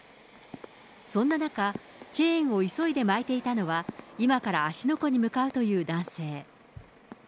そんな中、チェーンを急いで巻いていたのは、今から芦ノ湖に向かうという男性。